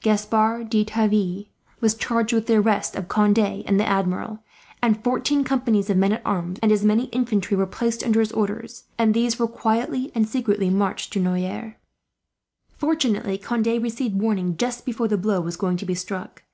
Gaspard de Tavannes was charged with the arrest of Conde and the Admiral; and fourteen companies of men at arms, and as many of infantry were placed under his orders, and these were quietly and secretly marched to Noyers. Fortunately Conde received warning, just before the blow was going to be struck.